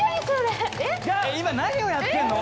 今何をやってんの？